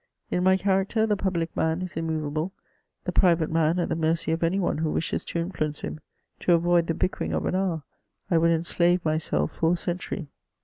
In my character, the public man is immovable, the private man at the mercy of any one who wishes to influence him : to avoid lihe bickering of an hour, I would enslave myself for a centuiy.